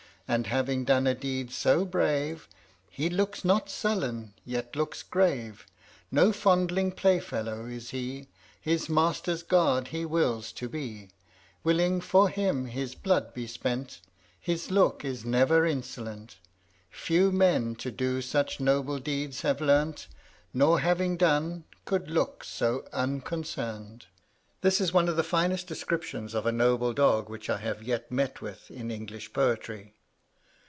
And having done a deed so brave, He looks not sullen, yet looks grave. No fondling play fellow is he; His master's guard he wills to be: Willing for him his blood be spent, His look is never insolent. Few men to do such noble deeds have learn'd, Nor having done, could look so unconcern'd." This is one of the finest descriptions of a noble dog which I have yet met with in English poetry.